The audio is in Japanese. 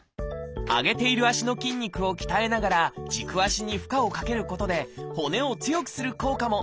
上げている足の筋肉を鍛えながら軸足に負荷をかけることで骨を強くする効果も。